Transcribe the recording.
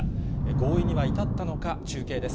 合意には至ったのか、中継です。